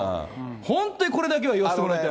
本当にこれだけは言わせてもらいたい。